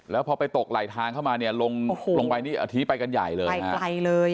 แล้วพอไปตกหลายทางเข้ามาลงไปอาทิตย์ไปกันใหญ่เลยค่ะ